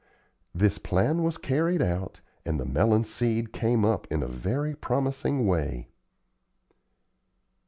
This plan was carried out, and the melon seed came up in a very promising way.